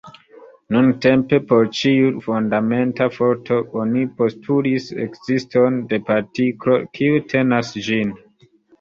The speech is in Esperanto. Nuntempe por ĉiu fundamenta forto oni postulis ekziston de partiklo, kiu tenas ĝin.